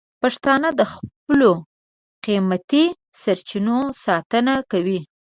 پښتانه د خپلو قیمتي سرچینو ساتنه کوي.